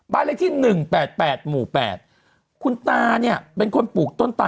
บ้านเลขที่หนึ่งแปดแปดหมู่แปดคุณตาเนี้ยเป็นคนปลูกต้นตา